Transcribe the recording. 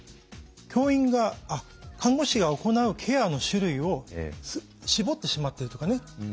看護師が行うケアの種類を絞ってしまっているとかね。